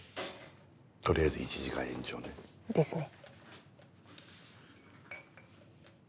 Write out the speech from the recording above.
取りあえず１時間延長ね。ですね。